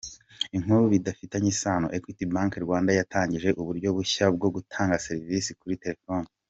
Inkuru bifitanye isano: Equity Bank Rwanda yatangije uburyo bushya bwo gutanga serivisi kuri telefoni.